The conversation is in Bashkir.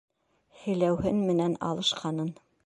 Һеләүһен менән алышҡанын...